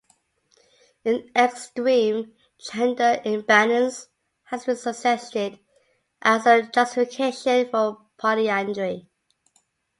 An extreme gender imbalance has been suggested as a justification for polyandry.